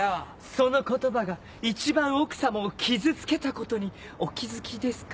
「その言葉が一番奥様を傷つけたことにお気付きですか？」。